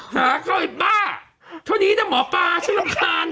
หาเค้าไอ้บ้าช่อนี้เนี้ยจะหมอปาชั่นลำคัน